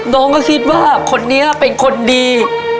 น้องก็คิดว่าคนนี้เป็นคนดี